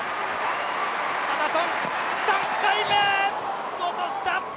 パタソン、３回目落とした。